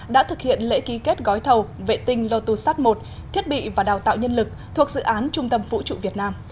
đã thực hiện lễ ký kết gói thầu vệ tinh lotus i thiết bị và đào tạo nhân lực thuộc dự án trung tâm vũ trụ việt nam